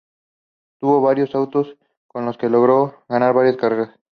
Tuvo varios autos con los que logró ganar varias carreras.